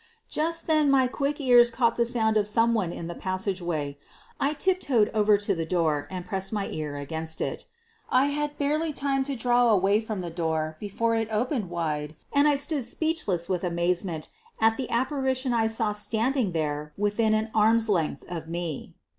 Just then my quick ears caught the sound of some 1 one in the passageway. I tiptoed over to the door and pressed my ear against it. I had barely time to draw away from the door before it opened wide and I stood speechless with 232 SOPHIE LYONS amazement at the apparition I saw standing there within an arm's length of me.